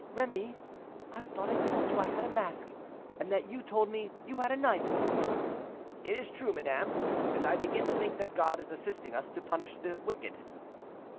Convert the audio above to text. "Remy, I thought I told you I had a mask, and that you told me you had a knife." "It is true, madame; and I begin to think that God is assisting us to punish the wicked."